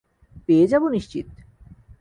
পেয়ে যাবো নিশ্চিত।